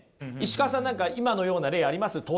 石川さん何か今のような例あります？